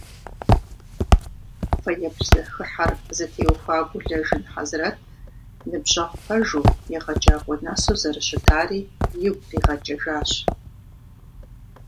Фэеплъ зэхыхьэр зытеухуа Гулэжын Хьэзрэт ныбжьэгъу пэжу, егъэджакӏуэ нэсу зэрыщытари игу къигъэкӏыжащ.